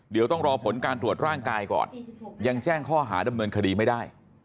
เดี๋ยวต้องรอผลการตรวจร่างกายก่อนยังแจ้งข้อหาดำเนินคดีไม่ได้